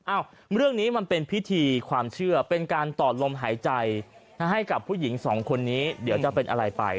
เรื่องนี้มันเป็นพิธีความเชื่อเป็นการต่อลมหายใจให้กับผู้หญิงสองคนนี้เดี๋ยวจะเป็นอะไรไป